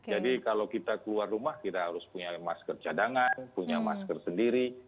jadi kalau kita keluar rumah kita harus punya masker cadangan punya masker sendiri